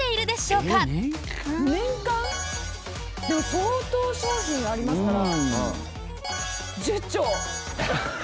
でも、相当商品ありますから。